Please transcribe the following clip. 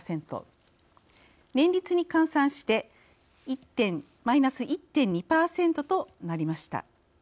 年率に換算してマイナス１．２％となりました。